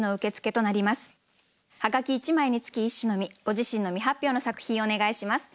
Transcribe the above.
ご自身の未発表の作品をお願いします。